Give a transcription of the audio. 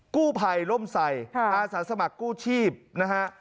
กู้ภัยร่มใส่อาสาสมัครกู้ชีพนะฮะ